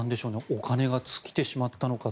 お金が尽きてしまったのか。